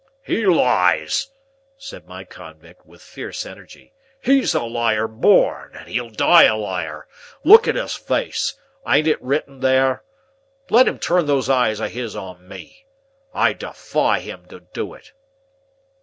"He lies!" said my convict, with fierce energy. "He's a liar born, and he'll die a liar. Look at his face; ain't it written there? Let him turn those eyes of his on me. I defy him to do it."